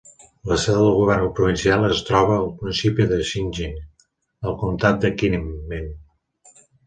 La seu del govern provincial es troba al municipi de Jincheng del comptat de Kinmen.